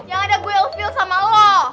ya enggak gue ill feel sama lo